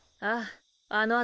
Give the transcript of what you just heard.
ああ。